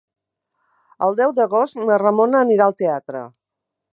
El deu d'agost na Ramona anirà al teatre.